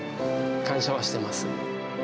感謝はしてます。